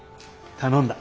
頼んだ。